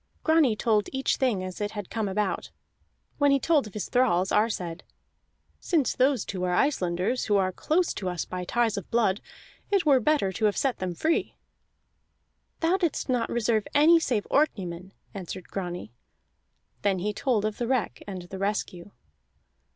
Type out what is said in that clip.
Grani told each thing as it had come about. When he told of his thralls, Ar said: "Since those two are Icelanders, who are close to us by ties of blood, it were better to have set them free." "Thou didst not reserve any save Orkneymen," answered Grani. Then he told of the wreck and the rescue.